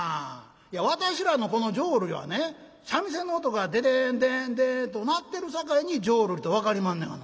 いや私らのこの浄瑠璃はね三味線の音が『デデンデンデン』と鳴ってるさかいに浄瑠璃と分かりまんねやがな。